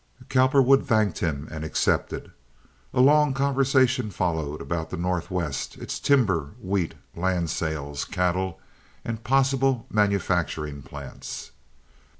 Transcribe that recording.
Cowperwood thanked him and accepted. A long conversation followed about the Northwest, its timber, wheat, land sales, cattle, and possible manufacturing plants.